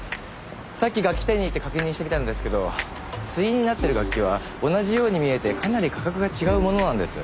さっき楽器店に行って確認してみたんですけど対になってる楽器は同じように見えてかなり価格が違うものなんです。